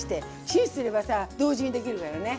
チンすればさ同時にできるからね。